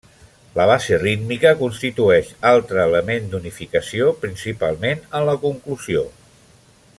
La base rítmica constitueix altre element d'unificació, principalment en la conclusió.